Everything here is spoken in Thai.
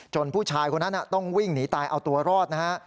ผู้ชายคนนั้นต้องวิ่งหนีตายเอาตัวรอดนะฮะ